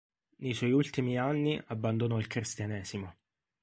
Nei suoi ultimi anni, abbandonò il cristianesimo.